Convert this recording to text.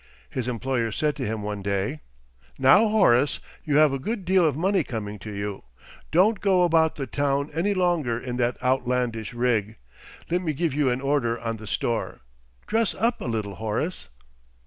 His employer said to him one day: "Now, Horace, you have a good deal of money coming to you; don't go about the town any longer in that outlandish rig. Let me give you an order on the store. Dress up a little, Horace."